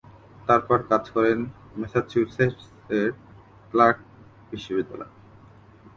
তারপর কাজ করেন ম্যাসাচুসেটসের ক্লার্ক বিশ্ববিদ্যালয়ে।